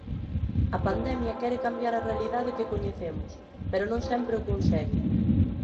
A pandemia quere cambiar a realidade que coñecemos, pero non sempre o consegue...